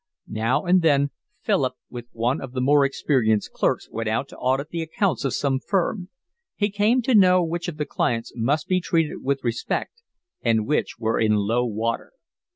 Now and then Philip with one of the more experienced clerks went out to audit the accounts of some firm: he came to know which of the clients must be treated with respect and which were in low water.